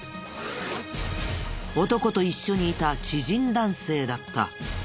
男と一緒にいた知人男性だった。